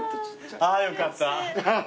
あよかった。